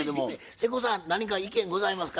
瀬古さん何か意見ございますか？